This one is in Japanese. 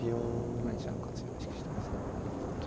７二飛車の活用を意識したいですね。